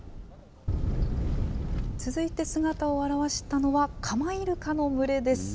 続いて姿を現したのは、カマイルカの群れです。